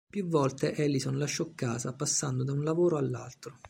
Più volte Ellison lasciò casa, passando da un lavoro all'altro.